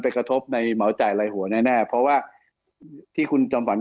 กระทบในเหมาจ่ายลายหัวแน่เพราะว่าที่คุณจอมขวัญ